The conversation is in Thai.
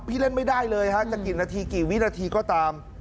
เล่นไม่ได้เลยฮะจะกี่นาทีกี่วินาทีก็ตาม